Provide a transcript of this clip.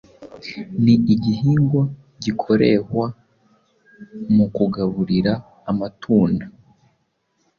ni igihingwa gikorehwa mu kugaburira amatun